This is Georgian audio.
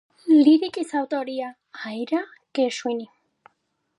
ლირიკის ავტორია აირა გერშვინი.